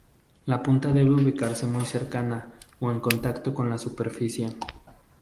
La punta debe ubicarse muy cercana o en contacto con la superficie.